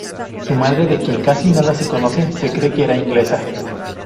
Su madre, de quien casi nada se conoce, se cree que era inglesa.